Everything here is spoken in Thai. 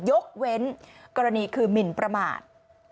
ยกเว้นกรณีคือหมินประมาท